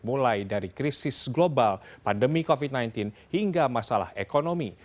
mulai dari krisis global pandemi covid sembilan belas hingga masalah ekonomi